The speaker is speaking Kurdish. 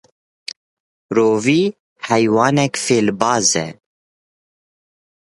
Rûvî heywanek fêlbaz e.